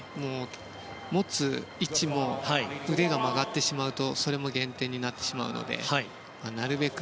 持つ位置も腕が曲がってしまうとそれも減点になってしまうのでなるべく